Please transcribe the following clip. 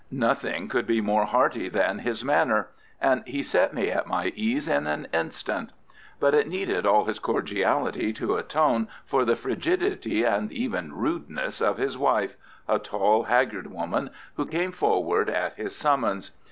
Nothing could be more hearty than his manner, and he set me at my ease in an instant. But it needed all his cordiality to atone for the frigidity and even rudeness of his wife, a tall, haggard woman, who came forward at his summons.